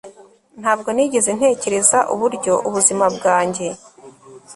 Ntabwo nigeze ntekereza uburyo ubuzima bwanjye